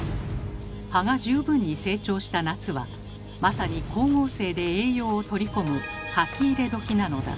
葉が十分に成長した夏はまさに光合成で栄養をとり込む書き入れ時なのだ。